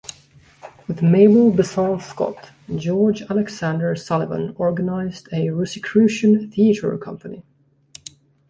With Mabel Besant-Scott, George Alexander Sullivan organized a rosicrucian theatre company.